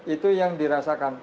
itu yang dirasakan